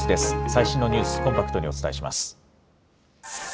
最新のニュース、コンパクトにお伝えします。